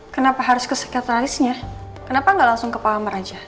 kenapa harus ke sekretarisnya kenapa nggak langsung ke pamer aja